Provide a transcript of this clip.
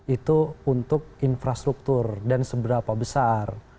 itu untuk infrastruktur dan seberapa besar